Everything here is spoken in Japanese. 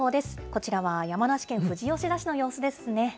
こちらは山梨県富士吉田市の様子ですね。